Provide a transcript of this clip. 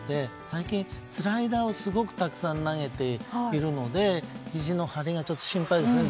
最近、スライダーをすごくたくさん投げているのでひじの張りが心配ですね。